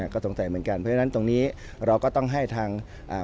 ก็สงสัยเหมือนกันเพราะฉะนั้นตรงนี้เราก็ต้องให้ทาง